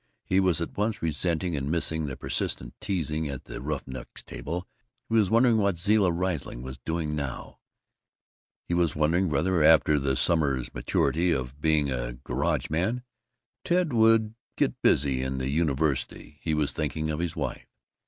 He was at once resenting and missing the persistent teasing at the Roughnecks' Table. He was wondering what Zilla Riesling was doing now. He was wondering whether, after the summer's maturity of being a garageman, Ted would "get busy" in the university. He was thinking of his wife.